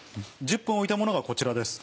１０分置いたものがこちらです。